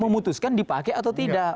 memutuskan dipakai atau tidak